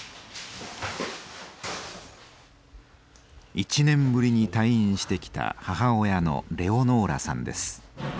１年ぶりに退院してきた母親のレオノーラさんです。